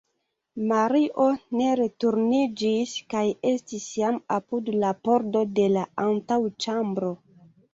Mario ne returniĝis kaj estis jam apud la pordo de la antaŭĉambro.